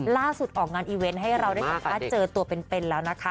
ล่าสุดออกงานอีเวนต์ให้เราได้สามารถเจอตัวเป็นแล้วนะคะ